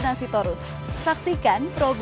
jadi seperti saya bilang